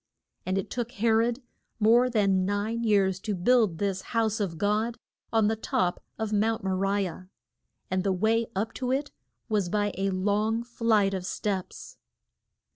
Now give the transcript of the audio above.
And it took He rod more than nine years to build this House of God on the top of Mount Mo ri ah. And the way up to it was by a long flight of steps.